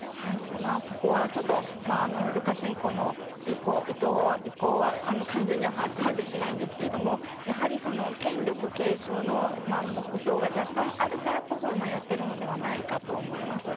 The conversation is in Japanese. そこはルカシェンコの意向は完全に把握はできないんですがやはり、権力継承の目標が若干あるからこそやっているのではないかと思います。